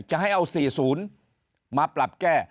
จะให้เอา๔๐มาปรับแก้